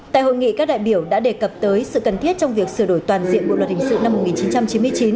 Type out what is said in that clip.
tại hội nghị các đại biểu đã đề cập tới sự cần thiết trong việc sửa đổi toàn diện bộ luật hình sự năm một nghìn chín trăm chín mươi chín